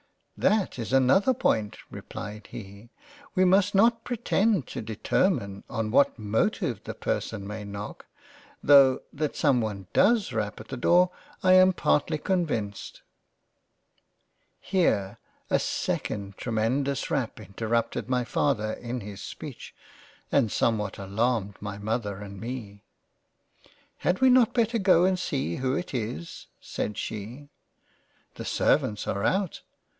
" That is another point (replied he ;) We must not pretend to determine on what motive the person may knock — tho' that someone does rap at the door, I am partly convinced." Here, a 2 d tremendous rap interrupted my Father in his speech, and somewhat alarmed my Mother and me. " Had we not better go and see who it is ? (said she) the servants are out."